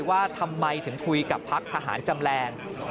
ว่าทำไมถึงคุยกับพักทหารจำแรง